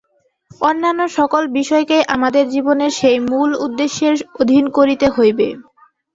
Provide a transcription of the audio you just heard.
অন্যান্য সকল বিষয়কেই আমাদের জীবনের সেই মূল উদ্দেশ্যের অধীন করিতে হইবে।